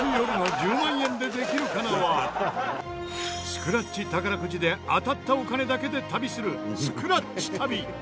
スクラッチ宝くじで当たったお金だけで旅するスクラッチ旅！